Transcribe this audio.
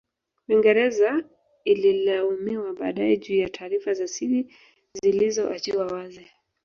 Uingereza Ililaumiwa baadae juu ya taarifa za siri zilizo achiwa wazi